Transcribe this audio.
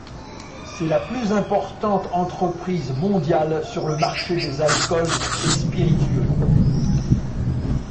C'est la plus importante entreprise mondiale sur le marché des alcools et spiritueux.